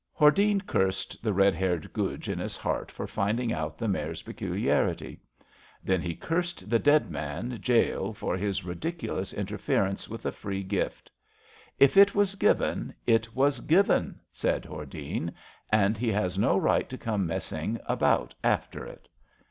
'' Hordene cursed the red haired Guj in his heart for finding out the mare's peculiarity. Then he cursed the dead man Jale for his ridiculous inter ference with a free gift. *^ If it was given— it was given," said Hordene, and he has no right to come messing about after it."